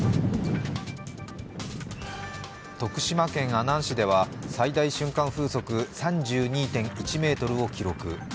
徳島県阿南市では最大瞬間風速３２．１メートルを記録。